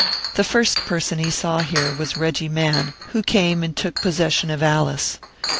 The first person he saw here was Reggie Mann, who came and took possession of Alice.